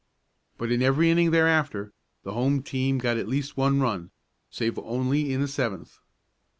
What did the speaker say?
But in every inning thereafter the home team got at least one run, save only in the seventh.